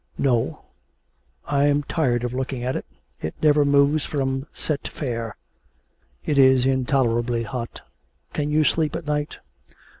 'No; I am tired of looking at it. It never moves from "set fair."' 'It is intolerably hot can you sleep at night?'